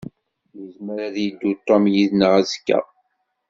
Yezmer ad yeddu Tom yid-neɣ azekka.